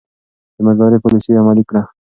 د منځلارۍ پاليسي يې عملي کړه.